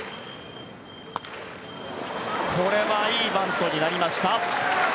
これはいいバントになりました。